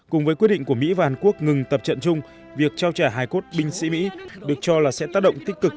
cùng với quyết định của mỹ và hàn quốc ngừng tập trận chung việc trao trả hài cốt binh sĩ mỹ được cho là sẽ tác động tích cực